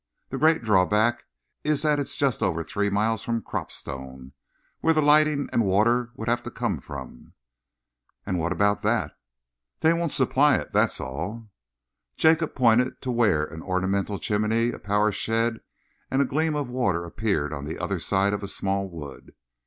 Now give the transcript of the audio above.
The great drawback is that it's just over three miles from Cropstone, where the lighting and water would have to come from." "And what about that?" "They won't supply it, that's all." Jacob pointed to where an ornamental chimney, a power shed and a gleam of water appeared on the other side of a small wood.